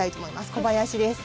小林です。